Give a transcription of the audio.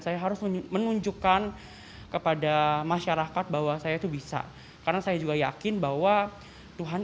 saya harus menunjukkan kepada masyarakat bahwa saya itu bisa karena saya juga yakin bahwa tuhan